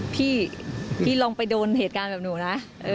พี่พี่ลองไปโดนเหตุการณ์แบบหนูนะ